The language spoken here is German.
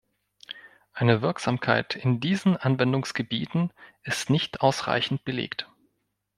Eine Wirksamkeit in diesen Anwendungsgebieten ist nicht ausreichend belegt.